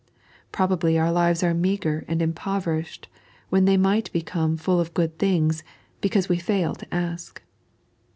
Probably our lives are meagre and impoverished, when tiiey might become full of good things, because we fail to ask.